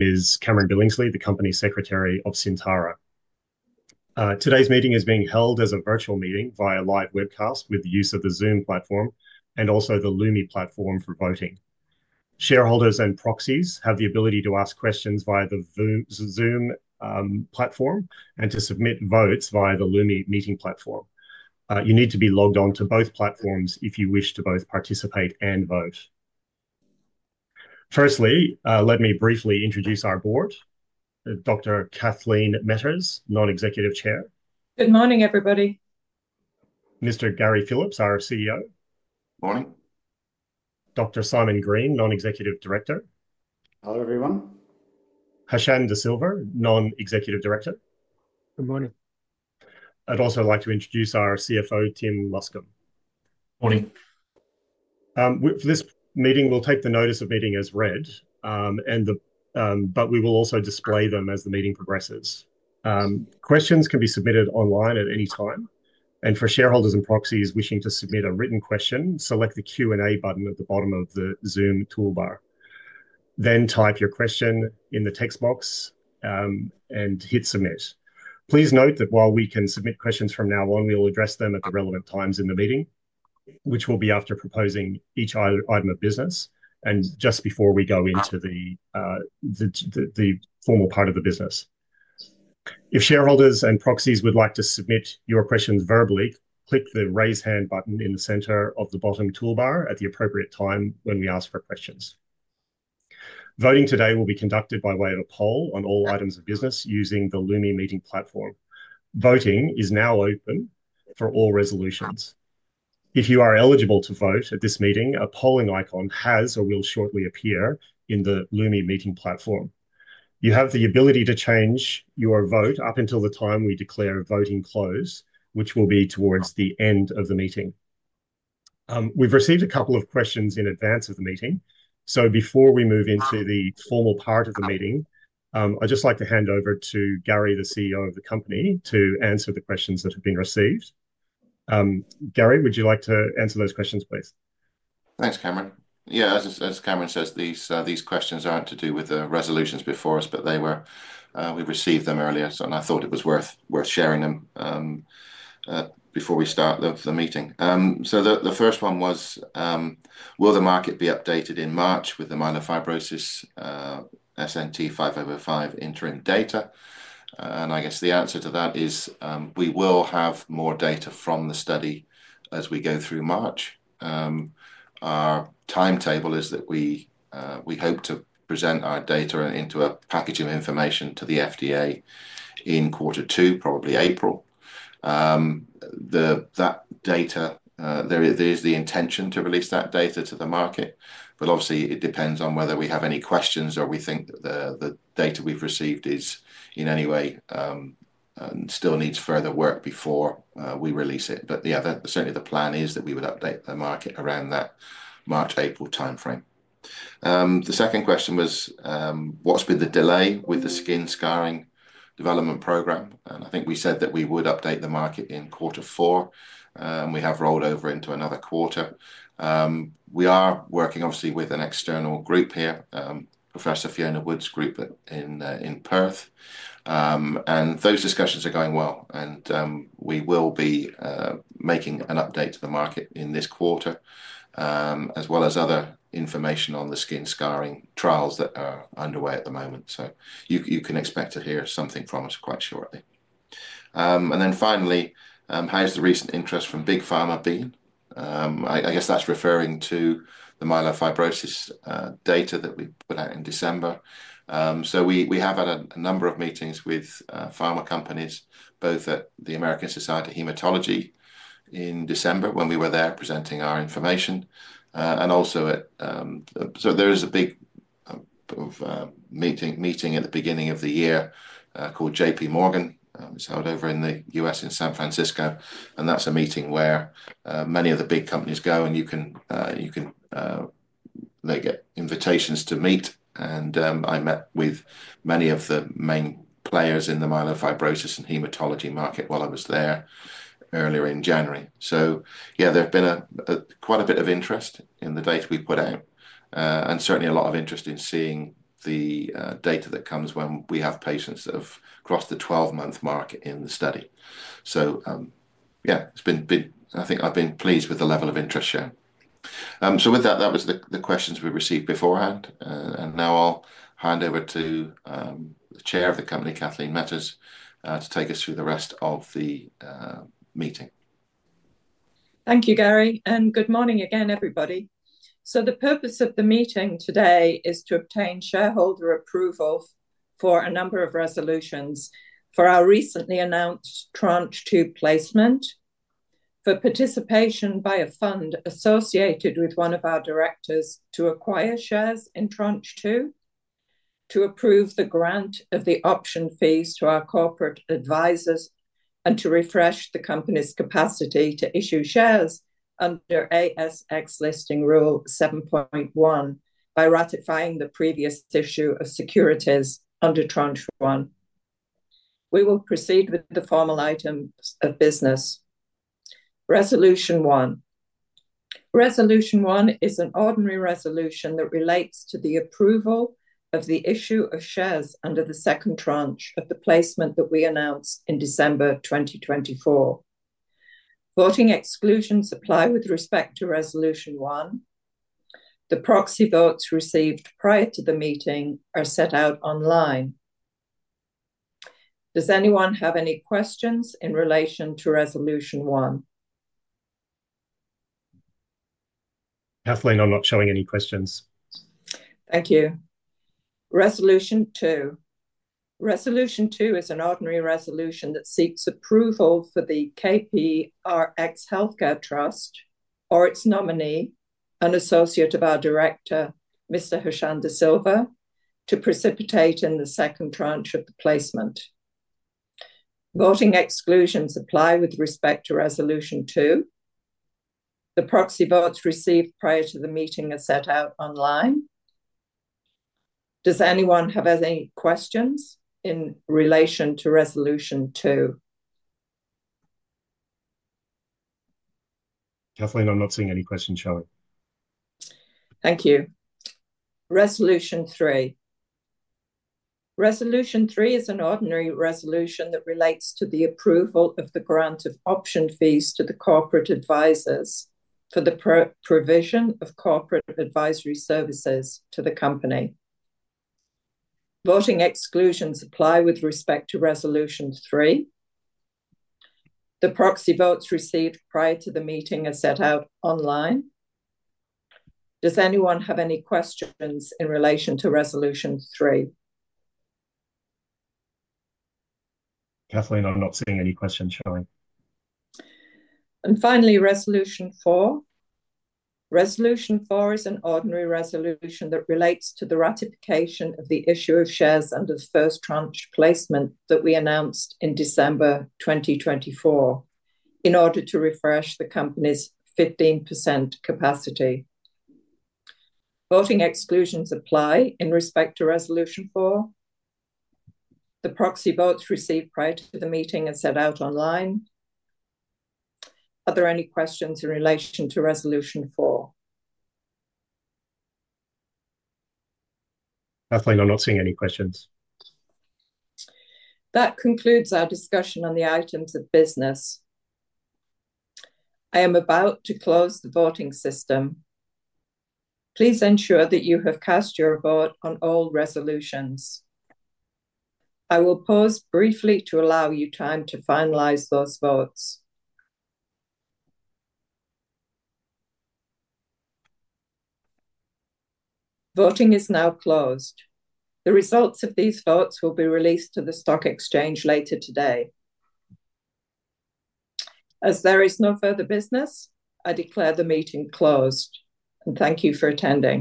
Is Cameron Billingsley, the Company Secretary of Syntara. Today's meeting is being held as a virtual meeting via live webcast with the use of the Zoom platform and also the Lumi platform for voting. Shareholders and proxies have the ability to ask questions via the Zoom platform and to submit votes via the Lumi meeting platform. You need to be logged on to both platforms if you wish to both participate and vote. Firstly, let me briefly introduce our board. Dr. Kathleen Metters, Non-Executive Chair. Good morning, everybody. Mr. Gary Phillips, our CEO. Morning. Dr. Simon Green, Non-Executive Director. Hello, everyone. Hashan de Silva, Non-Executive Director. Good morning. I'd also like to introduce our CFO, Tim Luscombe. Morning. For this meeting, we'll take the notice of meeting as read, but we will also display them as the meeting progresses. Questions can be submitted online at any time. For shareholders and proxies wishing to submit a written question, select the Q&A button at the bottom of the Zoom toolbar. Type your question in the text box and hit submit. Please note that while we can submit questions from now on, we will address them at the relevant times in the meeting, which will be after proposing each item of business and just before we go into the formal part of the business. If shareholders and proxies would like to submit your questions verbally, click the raise hand button in the center of the bottom toolbar at the appropriate time when we ask for questions. Voting today will be conducted by way of a poll on all items of business using the Lumi meeting platform. Voting is now open for all resolutions. If you are eligible to vote at this meeting, a polling icon has or will shortly appear in the Lumi meeting platform. You have the ability to change your vote up until the time we declare voting close, which will be towards the end of the meeting. We've received a couple of questions in advance of the meeting. Before we move into the formal part of the meeting, I'd just like to hand over to Gary, the CEO of the company, to answer the questions that have been received. Gary, would you like to answer those questions, please? Thanks, Cameron. Yeah, as Cameron says, these questions are not to do with the resolutions before us, but we received them earlier, so I thought it was worth sharing them before we start the meeting. The first one was, will the market be updated in March with the myelofibrosis SNT-5505 interim data? I guess the answer to that is we will have more data from the study as we go through March. Our timetable is that we hope to present our data into a package of information to the FDA in quarter two, probably April. That data, there is the intention to release that data to the market, but obviously it depends on whether we have any questions or we think the data we have received in any way still needs further work before we release it. Yeah, certainly the plan is that we would update the market around that March-April timeframe. The second question was, what's been the delay with the skin scarring development program? I think we said that we would update the market in quarter four. We have rolled over into another quarter. We are working obviously with an external group here, Professor Fiona Wood's group in Perth. Those discussions are going well, and we will be making an update to the market in this quarter, as well as other information on the skin scarring trials that are underway at the moment. You can expect to hear something from us quite shortly. Finally, how's the recent interest from big pharma been? I guess that's referring to the myelofibrosis data that we put out in December. We have had a number of meetings with pharma companies, both at the American Society of Hematology in December when we were there presenting our information, and also at, so there is a big meeting at the beginning of the year called JPMorgan. It's held over in the U.S. in San Francisco. That's a meeting where many of the big companies go, and you can get invitations to meet. I met with many of the main players in the myelofibrosis and hematology market while I was there earlier in January. Yeah, there's been quite a bit of interest in the data we put out, and certainly a lot of interest in seeing the data that comes when we have patients that have crossed the 12-month mark in the study. Yeah, I think I've been pleased with the level of interest shown. With that, that was the questions we received beforehand. Now I'll hand over to the Chair of the company, Kathleen Metters, to take us through the rest of the meeting. Thank you, Gary. Good morning again, everybody. The purpose of the meeting today is to obtain shareholder approval for a number of resolutions for our recently announced Tranche 2 placement, for participation by a fund associated with one of our directors to acquire shares in Tranche 2, to approve the grant of the option fees to our corporate advisors, and to refresh the company's capacity to issue shares under ASX Listing Rule 7.1 by ratifying the previous issue of securities under Tranche 1. We will proceed with the formal items of business. Resolution 1. Resolution 1 is an ordinary resolution that relates to the approval of the issue of shares under the second tranche of the placement that we announced in December 2024. Voting exclusions apply with respect to Resolution 1. The proxy votes received prior to the meeting are set out online. Does anyone have any questions in relation to Resolution 1? Kathleen, I'm not showing any questions. Thank you. Resolution 2. Resolution 2 is an ordinary resolution that seeks approval for the KPRX Healthcare Trust or its nominee, an associate of our director, Mr. Hashan de Silva, to participate in the second tranche of the placement. Voting exclusions apply with respect to Resolution 2. The proxy votes received prior to the meeting are set out online. Does anyone have any questions in relation to Resolution 2? Kathleen, I'm not seeing any questions. Shall we? Thank you. Resolution 3. Resolution 3 is an ordinary resolution that relates to the approval of the grant of option fees to the corporate advisors for the provision of corporate advisory services to the company. Voting exclusions apply with respect to Resolution 3. The proxy votes received prior to the meeting are set out online. Does anyone have any questions in relation to Resolution 3? Kathleen, I'm not seeing any questions, shall we? Finally, Resolution 4. Resolution 4 is an ordinary resolution that relates to the ratification of the issue of shares under the first tranche placement that we announced in December 2024 in order to refresh the company's 15% capacity. Voting exclusions apply in respect to Resolution 4. The proxy votes received prior to the meeting are set out online. Are there any questions in relation to Resolution 4? Kathleen, I'm not seeing any questions. That concludes our discussion on the items of business. I am about to close the voting system. Please ensure that you have cast your vote on all resolutions. I will pause briefly to allow you time to finalize those votes. Voting is now closed. The results of these votes will be released to the stock exchange later today. As there is no further business, I declare the meeting closed. Thank you for attending.